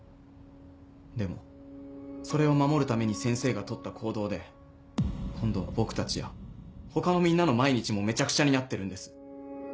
でもそれを守るために先生が取った行動で今度は僕たちや他のみんなの毎日もめちゃくちゃになってるんです。